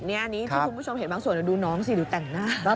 ก็นี่ที่ทุกคุณผู้ชมเห็นตรงนี้อยากจะดูน้องสิอยากจะแต่งหน้า